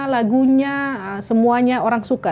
lagunya semuanya orang suka